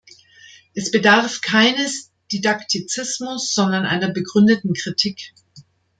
Es bedarf keines Didaktizismus, sondern einer begründeten Kritik.